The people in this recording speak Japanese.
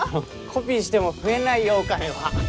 コピーしても増えないよお金は。